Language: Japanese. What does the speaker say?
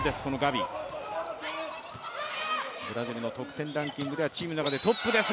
ブラジルの得点ランキングではチームの中でトップです。